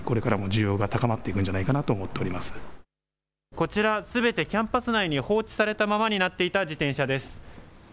こちら、すべてキャンパス内に放置されたままになっていた自転車です。